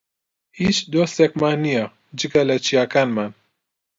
هیچ دۆستێکمان نییە، جگە لە چیاکانمان.